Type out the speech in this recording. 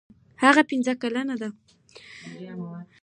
هغه پنځه کلنه ده.